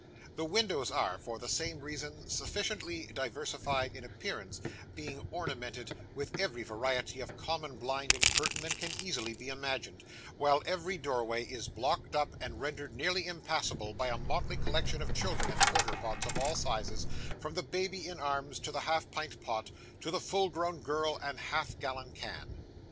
The windows are, for the same reason, sufficiently diversified in appearance, being ornamented with every variety of common blind and curtain that can easily be imagined; while every doorway is blocked up, and rendered nearly impassable, by a motley collection of children and porter pots of all sizes, from the baby in arms and the half pint pot, to the full grown girl and half gallon can.